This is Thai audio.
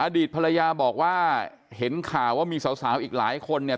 อดีตภรรยาบอกว่าเห็นข่าวว่ามีสาวอีกหลายคนเนี่ย